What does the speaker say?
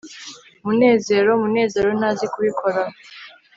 munezero] munezero ntazi kubikora